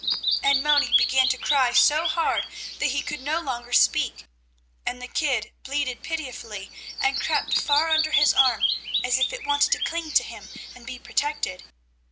And Moni began to cry so hard, that he could no longer speak, and the kid bleated pitifully and crept far under his arm, as if it wanted to cling to him and be protected.